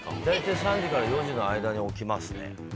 大体３時から４時の間に起きますね。